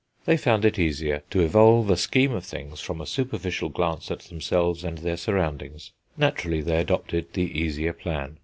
They found it easier to evolve a scheme of things from a superficial glance at themselves and their surroundings; naturally they adopted the easier plan.